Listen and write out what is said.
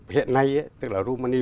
hiện nay tức là rumani